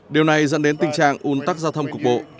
điều này dẫn đến tình trạng un tắc giao thông cục bộ